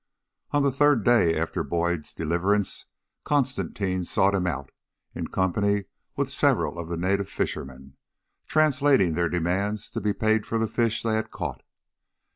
On the third day after Boyd's deliverance, Constantine sought him out, in company with several of the native fishermen, translating their demand to be paid for the fish they had caught.